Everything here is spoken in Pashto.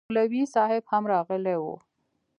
مولوي صاحب هم راغلی و